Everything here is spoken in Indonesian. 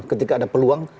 ketika ada peluang